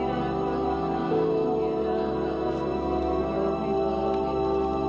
karena mbak dewi udah meninggal